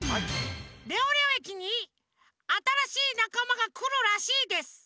レオレオ駅にあたらしいなかまがくるらしいです。